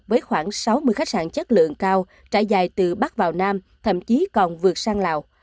với khoảng sáu mươi khách sạn chất lượng cao trải dài từ bắc vào nam thậm chí còn vượt sang lào